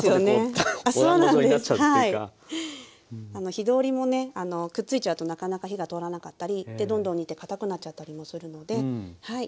火通りもねくっついちゃうとなかなか火が通らなかったりどんどん煮てかたくなっちゃったりもするのでこのようにして下さい。